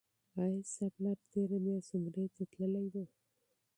آیا ستا پلار تیره میاشت عمرې ته تللی و؟